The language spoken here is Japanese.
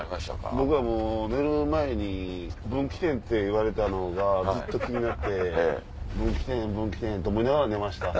僕は寝る前に「分岐点」って言われたのがずっと気になって分岐点分岐点と思いながら寝ました。